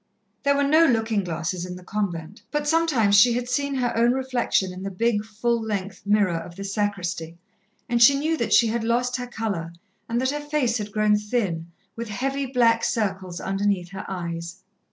There were no looking glasses in the convent, but sometimes she had seen her own reflection in the big, full length mirror of the sacristy, and she knew that she had lost her colour, and that her face had grown thin, with heavy, black circles underneath her eyes.